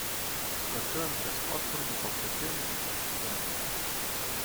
"Skoczyłem przez otwór i pochwyciłem tę postać w ramiona."